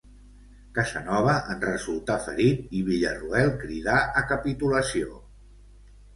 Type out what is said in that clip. Casanova en resultà ferit i Villarroel cridà a capitulació.